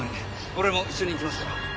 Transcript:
俺も一緒に行きますから。